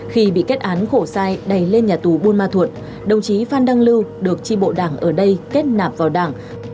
khi bị kết án khổ sai đầy lên nhà tù buôn ma thuột đồng chí phan đăng lưu được tri bộ đảng ở đây kết nạp vào đảng